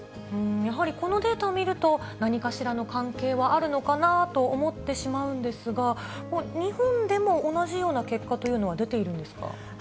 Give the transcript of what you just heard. やはりこのデータを見ると、何かしらの関係はあるのかなと思ってしまうんですが、日本でも同じような結果というのは出ているんですか。